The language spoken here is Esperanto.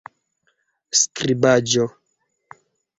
skribaĵo